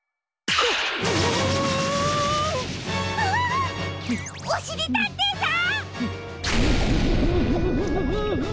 おおおしりたんていさん！